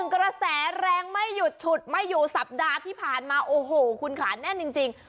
กระแสแรงไม่หยุดฉุดไม่อยู่สัปดาห์ที่ผ่านมาโอ้โหคุณขาแน่นจริง